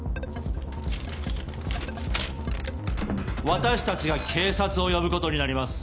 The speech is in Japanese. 私達が警察を呼ぶことになります